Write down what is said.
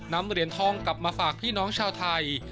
เหรียญทองกลับมาฝากพี่น้องชาวไทย